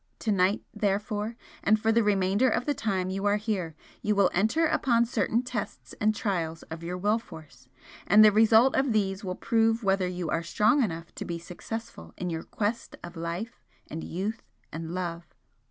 To night, therefore, and for the remainder of the time you are here, you will enter upon certain tests and trials of your will force and the result of these will prove whether you are strong enough to be successful in your quest of life and youth and love.